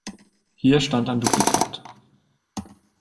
Hier stand ein Duplikat.